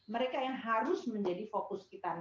mereka yang harus menjadi fokus kita